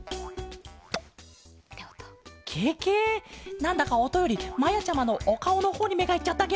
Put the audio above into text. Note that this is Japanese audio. なんだかおとよりまやちゃまのおかおのほうにめがいっちゃったケロ。